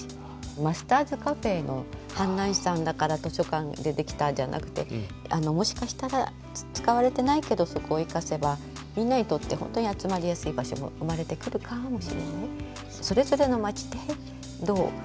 マスターズＣａｆｅの阪南市さんだから図書館でできたじゃなくてもしかしたら使われてないけどそこを生かせばみんなにとって本当に集まりやすい場所も生まれてくるかもしれない。